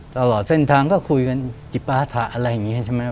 ตลอดเส้นทางก็คุยกันจิปาถะอะไรอย่างนี้ใช่ไหม